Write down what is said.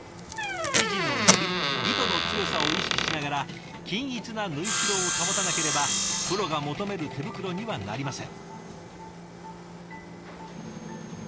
生地の伸び糸の強さを意識しながら均一な縫い代を保たなければプロが求める手袋にはなりません。